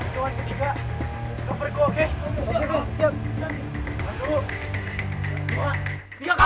tuhan ketiga cover gue